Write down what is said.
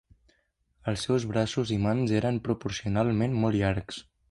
Els seus braços i mans eren proporcionalment molt llargs.